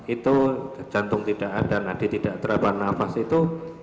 itu jantung tidak ada nadi tidak terapkan nafas itu